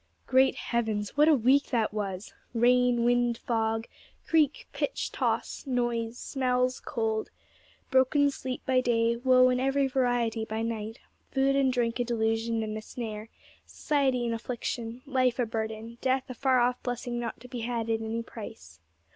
Great heavens, what a week that was! Rain, wind, fog; creak, pitch, toss; noise, smells, cold. Broken sleep by day, woe in every variety by night; food and drink a delusion and a snare; society an affliction; life a burden; death a far off blessing not to be had at any price.